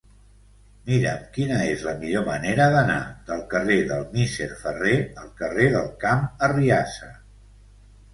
Mira'm quina és la millor manera d'anar del carrer del Misser Ferrer al carrer del Camp Arriassa.